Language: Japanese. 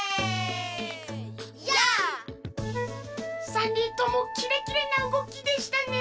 ３にんともキレキレなうごきでしたね。